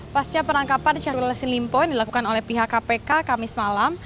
pasca penangkapan syahrul yassin limpo yang dilakukan oleh pihak kpk kamis malam